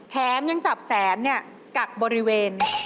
แถมยังจับแสนกักบริเวณ